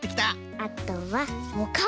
あとはおかお！